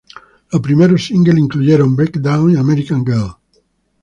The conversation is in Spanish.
Los primeros singles incluyeron "Breakdown" y "American Girl".